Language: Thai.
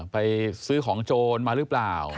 ไปซื้อของโจรมาหรือเปล่า